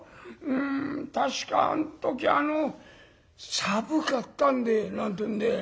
「確かあん時あの寒かったんで」なんていうんで。